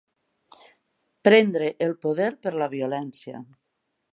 Prendre el poder per la violència.